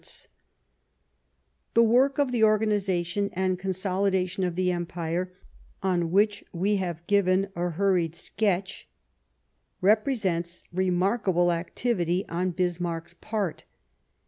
212 Last Fights The work of the organization and consoHdation of the Empire of which we have given a hurried sketch represents remarkable activity Difficulties on Bismarck's part.